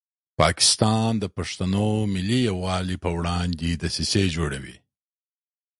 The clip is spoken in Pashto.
پاکستان د پښتنو ملي یووالي په وړاندې دسیسې جوړوي.